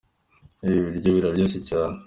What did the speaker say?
Ibi biryo biraryoshye cyane.